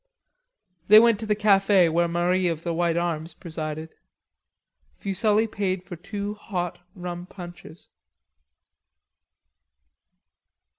They went to the cafe where Marie of the white arms presided. Fuselli paid for two hot rum punches.